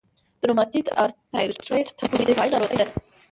د روماتویید ارترایټرایټس خودي دفاعي ناروغي ده.